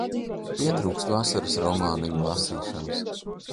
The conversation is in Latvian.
Pietrūkst vasaras romāniņu lasīšanas.